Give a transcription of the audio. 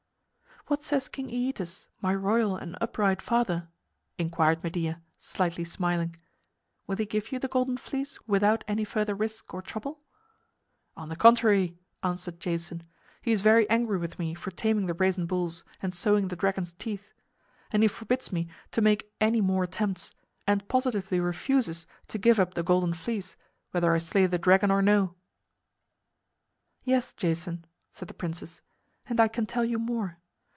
"What says King Æetes, my royal and upright father?" inquired Medea, slightly smiling. "Will he give you the Golden Fleece without any further risk or trouble?" "On the contrary," answered Jason, "he is very angry with me for taming the brazen bulls and sowing the dragon's teeth. And he forbids me to make any more attempts, and positively refuses to give up the Golden Fleece, whether I slay the dragon or no." "Yes, Jason," said the princess, "and I can tell you more.